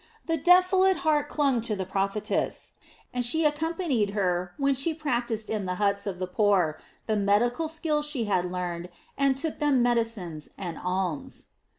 The desolate heart clung to the prophetess, and she accompanied her when she practised in the huts of the poor the medical skill she had learned and took them medicines and alms.